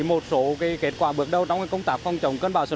một số kết quả bước đầu trong công tác phòng chống cơn bão số chín